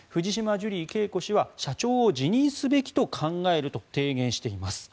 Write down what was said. ジュリー景子氏は社長を辞任すべきと考えると提言しています。